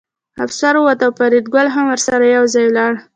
افسر ووت او فریدګل هم ورسره یوځای لاړ